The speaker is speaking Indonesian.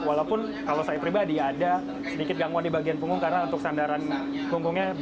walaupun kalau saya pribadi ada sedikit gangguan di bagian punggung karena untuk sandaran punggungnya